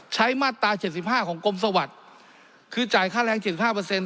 ใช้มาตราเจ็ดสิบห้าของกรมสวัสดิ์คือจ่ายค่าแรงเจ็ดสิบห้าเปอร์เซ็นต์